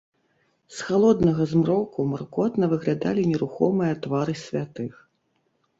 З халоднага змроку маркотна выглядалі нерухомыя твары святых.